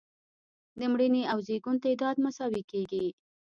د مړینې او زیږون تعداد مساوي کیږي.